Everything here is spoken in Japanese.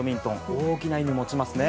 大きな意味を持ちますね。